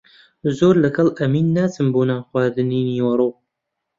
زۆر لەگەڵ ئەمین ناچم بۆ نانخواردنی نیوەڕۆ.